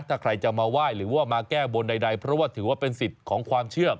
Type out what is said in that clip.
ถ้าใครจะมาไหว้หรือว่ามาแก้บนใดเพราะว่าถือว่าเป็นสิทธิ์ของความเชื่อ